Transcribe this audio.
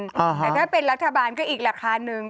แต่ถ้าเป็นรัฐบาลก็อีกราคาหนึ่ง